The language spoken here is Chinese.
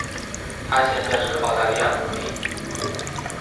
她现在是澳大利亚公民。